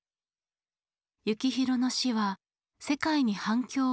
幸宏の死は世界に反響を及ぼした。